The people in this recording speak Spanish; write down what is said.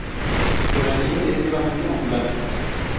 Su relieve es levemente ondulado.